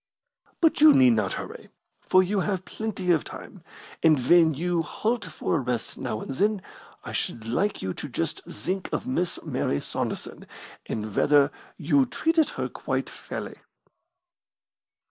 But you need not hurry, for you have plenty of time, and when you halt for a rest now and then, I should like you just to think of Miss Mary Saunderson, and whether you treated her quite fairly."